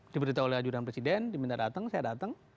diberitahu oleh ajudan presiden diminta datang saya datang